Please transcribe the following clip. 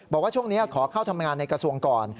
บอกว่าช่วงนี้ขอเข้าทำงานในกระทรวงก่อน